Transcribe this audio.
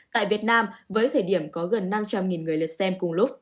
tại việt nam với thời điểm có gần năm trăm linh người lượt xem cùng lúc